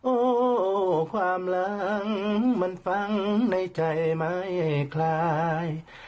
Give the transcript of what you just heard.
โอ้ความหลังมันฟังในใจไม่คลาย